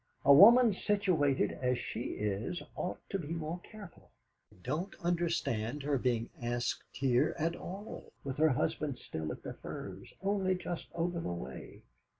A woman situated as she is ought to be more careful. I don't understand her being asked here at all, with her husband still at the Firs, only just over the way.